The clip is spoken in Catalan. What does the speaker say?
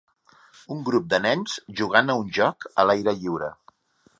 Un grup de nens jugant a un joc a l'aire lliure